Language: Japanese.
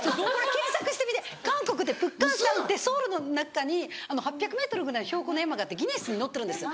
検索してみて韓国って北漢山ってソウルの中に８００ｍぐらいの標高の山があって『ギネス』に載ってるんです。